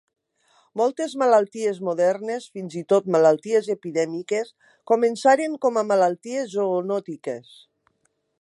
Moltes malalties modernes, fins i tot malalties epidèmiques, començaren com a malalties zoonòtiques.